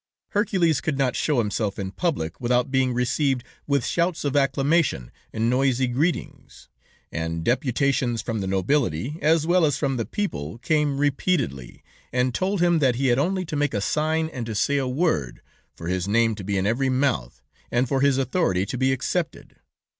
"Hercules could not show himself in public without being received with shouts of acclamation and noisy greetings, and deputations from the nobility, as well as from the people, came repeatedly and told him that he had only to make a sign and to say a word, for his name to be in every mouth, and for his authority to be accepted.